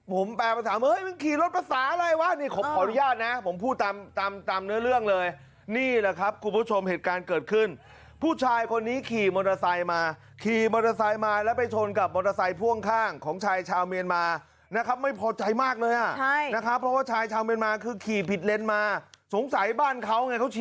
ผมแปลภาษาเฮ้ยมึงขี่รถภาษาอะไรวะนี่ผมขออนุญาตนะผมพูดตามตามเนื้อเรื่องเลยนี่แหละครับคุณผู้ชมเหตุการณ์เกิดขึ้นผู้ชายคนนี้ขี่มอเตอร์ไซค์มาขี่มอเตอร์ไซค์มาแล้วไปชนกับมอเตอร์ไซค์พ่วงข้างของชายชาวเมียนมานะครับไม่พอใจมากเลยอ่ะใช่นะครับเพราะว่าชายชาวเมียนมาคือขี่ผิดเลนมาสงสัยบ้านเขาไงเขาฉี